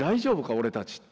俺たち。